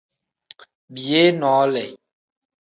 Biyee noole.